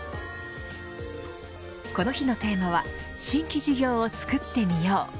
この日のテーマは新規事業を作ってみよう。